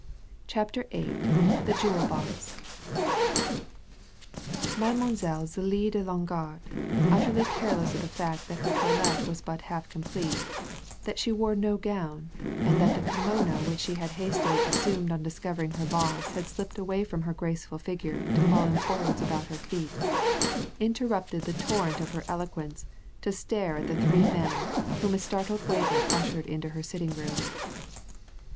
CHAPTER VIII THE JEWEL BOX Mademoiselle Zélie de Longarde, utterly careless of the fact that her toilette was but half complete, that she wore no gown, and that the kimono which she had hastily assumed on discovering her loss had slipped away from her graceful figure to fall in folds about her feet, interrupted the torrent of her eloquence to stare at the three men whom a startled waiter ushered into her sitting room.